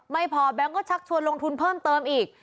ไม่พอแบงค์ก็ชักชวนลงทุนเพิ่มเติมอีก